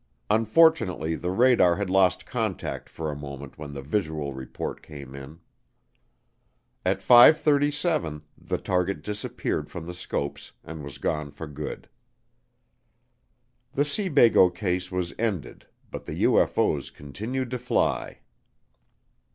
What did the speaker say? Unfortunately the radar had lost contact for a moment when the visual report came in. At 5:37 the target disappeared from the scopes and was gone for good. The Seabago Case was ended but the UFO's continued to fly.